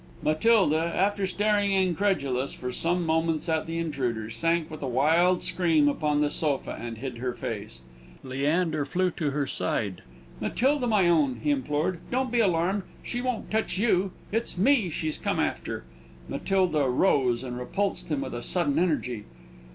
Matilda, after staring, incredulous, for some moments at the intruder, sank with a wild scream upon the sofa, and hid her face. Leander flew to her side. "Matilda, my own," he implored, "don't be alarmed. She won't touch you; it's me she's come after." Matilda rose and repulsed him with a sudden energy.